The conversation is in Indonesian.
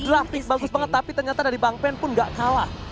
drastis bagus banget tapi ternyata dari bang pen pun gak kalah